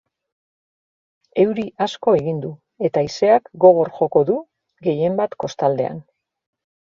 Euri asko egingo du, eta haizeak gogor joko du, gehienbat kostaldean.